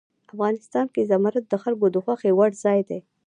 افغانستان کې زمرد د خلکو د خوښې وړ ځای دی.